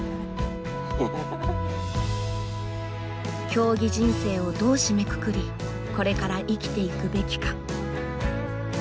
「競技人生をどう締めくくりこれから生きていくべきか」。